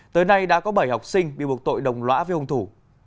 tới nay đã có bảy học sinh bị buộc tội đồng lõa với hung thủ